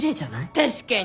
確かに。